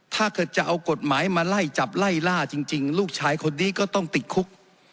ถ้าเกิดจะเอากฎหมายมาไล่จับไล่ล่าจริงลูกชายคนนี้ก็ต้องติดคุก